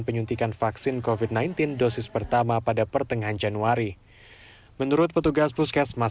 penyuntikan vaksin covid sembilan belas dosis pertama pada pertengahan januari menurut petugas puskesmas